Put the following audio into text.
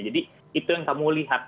jadi itu yang kamu lihat